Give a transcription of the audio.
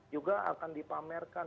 juga akan dipamerkan